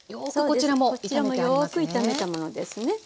こちらもよく炒めたものですね。